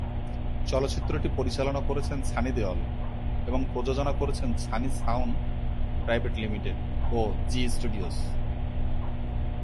চলচ্চিত্রটি পরিচালনা করেছেন সানি দেওল এবং প্রযোজনা করেছেন সানি সাউন্ড প্রাইভেট লিমিটেড ও জি স্টুডিওস।